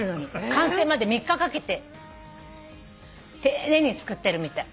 完成まで３日かけて丁寧に作ってるみたい。